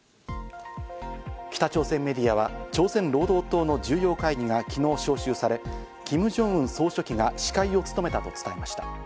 北朝鮮メディアは、朝鮮労働党の重要会議が昨日招集され、キム・ジョンウン総書記が司会を務めたと伝えました。